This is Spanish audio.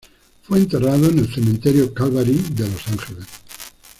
Fue enterrado en el Cementerio Calvary de Los Ángeles.